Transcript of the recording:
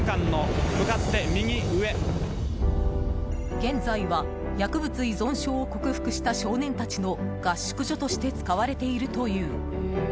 現在は薬物依存症を克服した少年たちの合宿所として使われているという。